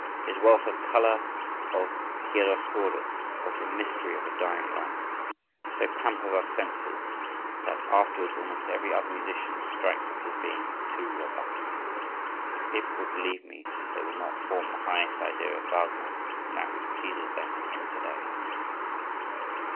His wealth of colour, of chiaroscuro, of the mystery of a dying light, so pampers our senses that afterwards almost every other musician strikes us as being too robust. If people would believe me, they would not form the highest idea of Wagner from that which pleases them in him to day.